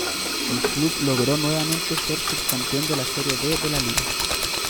El club logró nuevamente ser subcampeón de la serie B de la liga.